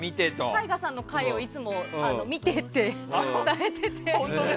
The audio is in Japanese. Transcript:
ＴＡＩＧＡさんの回をいつも見てって伝えてて。